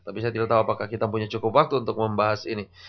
tapi saya tidak tahu apakah kita punya cukup waktu untuk membahas ini